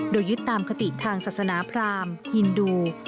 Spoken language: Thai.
โดยยึดตามคติทางศาสนาพรามฮินดู